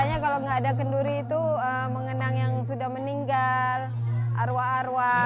rasanya kalau nggak ada kenduri itu mengenang yang sudah meninggal arwah arwah